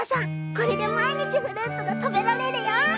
これで毎日フルーツが食べられるよ。